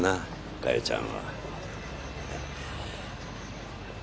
加代ちゃんは。